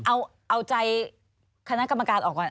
เอาใจคณะกรรมการออกก่อน